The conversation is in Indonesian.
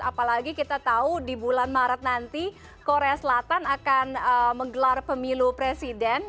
apalagi kita tahu di bulan maret nanti korea selatan akan menggelar pemilu presiden